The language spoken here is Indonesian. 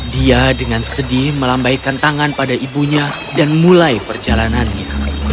dia dengan sedih melambaikan tangan pada ibunya dan mulai perjalanannya